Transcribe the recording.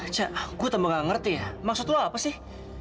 cak gue tambah gak ngerti maksud lo apa sih